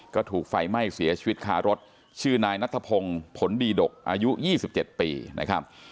ก็ถูกไฟไหม้เสียชีวิตคารถชื่อนายนัทพงศ์ผลดีดกอายุ๒๗ปีนะครับ